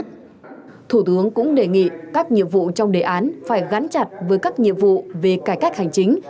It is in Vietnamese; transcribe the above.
thủ tướng cũng đề nghị các nhiệm vụ trong đề án phải gắn chặt với các nhiệm vụ về cải cách hành chính